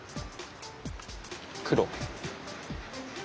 黒。